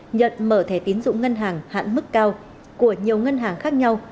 nhận mở thẻ tín dụng ngân hàng hạn mức cao của nhiều ngân hàng khác nhau